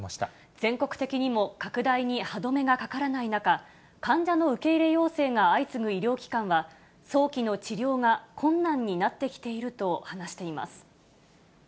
全国的にも拡大に歯止めがかからない中、患者の受け入れ要請が相次ぐ医療機関は、早期の治療が困難になってきていると話しています。